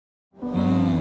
うん。